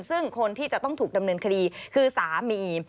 ซึ่งคนที่จะต้องถูกดำเนินคดีคือสามี